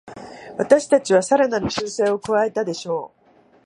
私たちはさらなる修正を加えたでしょう